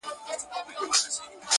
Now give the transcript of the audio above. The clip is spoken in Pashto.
• خر هغه دی خو کته یې بدله ده -